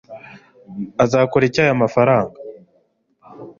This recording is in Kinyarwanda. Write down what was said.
uzakora iki aya mafaranga